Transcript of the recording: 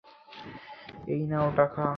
এই নাও টাকা।